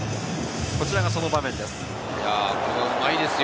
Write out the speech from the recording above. こちらがその場面です。